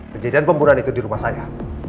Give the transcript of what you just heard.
kejadian pembunuhan itu di rumah saya